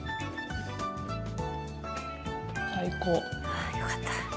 ああよかった。